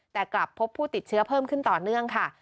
แต่กลับพบผู้ติดเชื้อเพิ่มขึ้นต่อเนื่องค่ะ